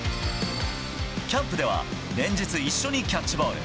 キャンプでは連日、一緒にキャッチボール。